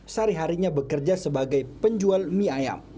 sehari harinya bekerja sebagai penjual mie ayam